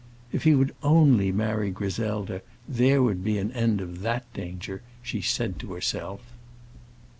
"If he would only marry Griselda, there would be an end of that danger," she said to herself.